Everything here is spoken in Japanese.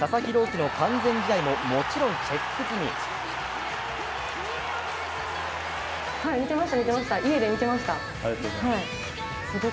希の完全試合ももちろんチェック済み。